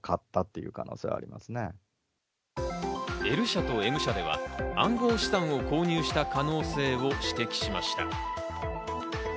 Ｌ社とＭ社では暗号資産を購入した可能性を指摘しました。